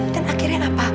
dan akhirnya apa